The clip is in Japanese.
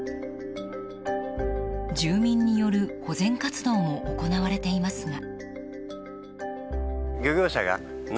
住民による保全活動も行われていますが。